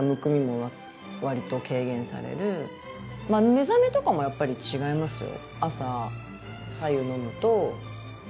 目覚めとかもやっぱり違いますよ。